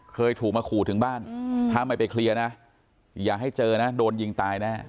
เคยถูกมาขู่ถึงบ้านถ้าไม่ไปเคลียร์นะอย่าให้เจอนะโดนยิงตายแน่